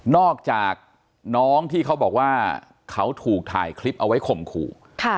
อกจากน้องที่เขาบอกว่าเขาถูกถ่ายคลิปเอาไว้ข่มขู่